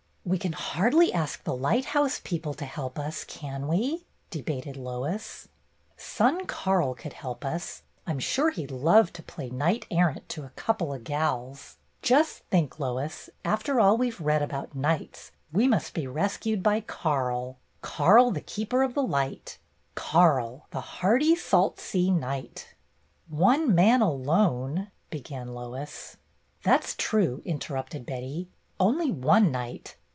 "We can hardly ask the lighthouse people to help us, can we ?" debated Lois. "Son Karl could help us. I 'm sure he 'd love to play knight errant to 'a couple o' gals.' Just think, Lois, after all we've read about knights, we must be rescued by Karl,— Karl, the Keeper of the Light, Karl, the hardy salt sea Knight I " 36 BETTY BAIRD^S GOLDEN YEAR ''One man alone —'' began Lois. "That "s true/' interrupted Betty. "Only one knight